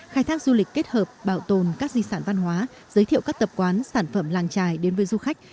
khai thác du lịch kết hợp bảo tồn các di sản văn hóa giới thiệu các tập quán sản phẩm làng trài đến với du khách